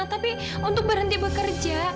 tapi untuk berhenti bekerja